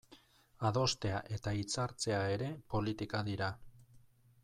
Adostea eta hitzartzea ere politika dira.